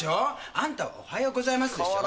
あんたは「おはようございます」でしょ。